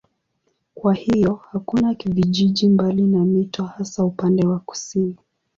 Kwa hiyo hakuna vijiji mbali na mito hasa upande wa kusini.